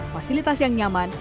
fasilitas yang nyaman